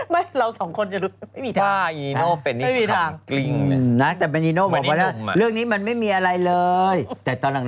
ไม่เราสองคนจะรู้ไม่มีทาง